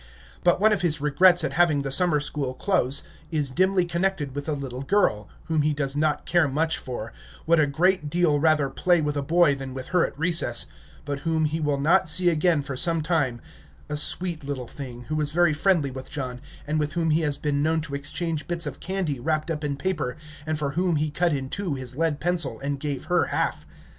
But one of his regrets at having the summer school close is dimly connected with a little girl, whom he does not care much for, would a great deal rather play with a boy than with her at recess, but whom he will not see again for some time, a sweet little thing, who is very friendly with John, and with whom he has been known to exchange bits of candy wrapped up in paper, and for whom he cut in two his lead pencil, and gave her half.